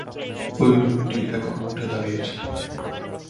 ঐ লোকটি এখন উঠে দাঁড়িয়েছে।